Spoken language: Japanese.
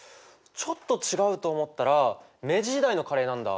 ちょっと違うと思ったら明治時代のカレーなんだ。